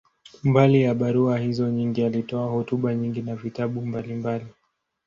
Mbali ya barua hizo nyingi, alitoa hotuba nyingi na vitabu mbalimbali.